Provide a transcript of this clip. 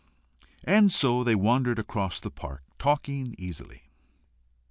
And so they wandered across the park, talking easily.